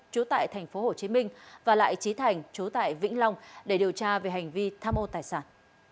trú tại tp hcm và lại trí thành chú tại vĩnh long để điều tra về hành vi tham ô tài sản